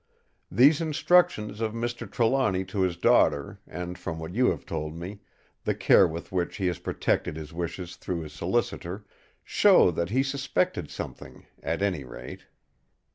These instructions of Mr. Trelawny to his daughter, and from what you have told me, the care with which he has protected his wishes through his solicitor, show that he suspected something, at any rate.